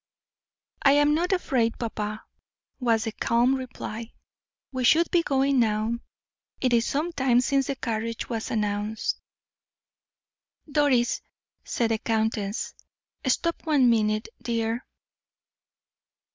"I am not afraid, papa," was the calm reply. "We should be going now; it is some time since the carriage was announced." "Doris," said the countess, "stop one minute, dear."